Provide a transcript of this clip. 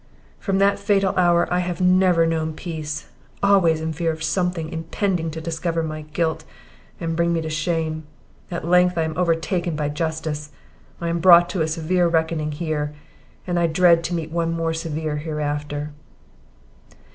"From that fatal hour I have never known peace, always in fear of something impending to discover my guilt, and to bring me to shame; at length I am overtaken by justice. I am brought to a severe reckoning here, and I dread to meet one more severe hereafter."